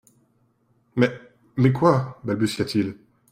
Mais … —Mais, quoi ?…» balbutia-t-il.